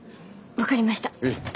分かりました。